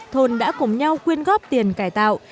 thôn đã cùng nhau quyên góp tiền cải tạo